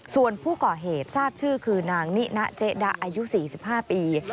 ส่วนผู้ก่อเหตุทราบชื่อคือนางนินะเจ๊ดะอายุ๔๕ปี